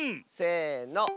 せの。